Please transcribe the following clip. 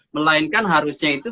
melainkan harusnya itu